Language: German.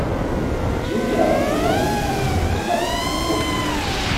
Judah verlor den Kampf knapp nach Punkten.